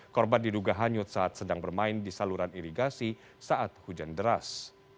korban diduga hanyut saat sedang bermain di saluran irigasi saat hujan deras